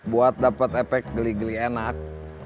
buat dapat efek geli geli enak